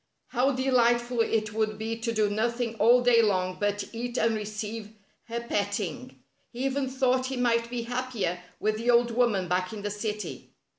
How delightful it would be to do nothing all day long but eat and receive her pet ting! He even thought he might be happier with the old woman back in the city.